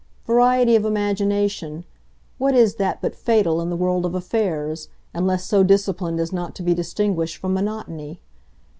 Variety of imagination what is that but fatal, in the world of affairs, unless so disciplined as not to be distinguished from monotony?